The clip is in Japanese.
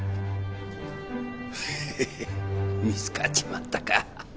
へへへ見つかっちまったか。